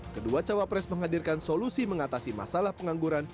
kedua cawapres menghadirkan solusi mengatasi masalah pengangguran